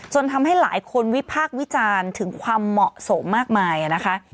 ทำให้หลายคนวิพากษ์วิจารณ์ถึงความเหมาะสมมากมายนะคะ